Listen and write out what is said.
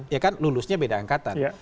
ya kan lulusnya beda angkatan